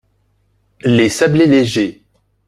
les sablés légers